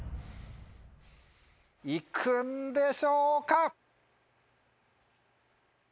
行くんでしょうか？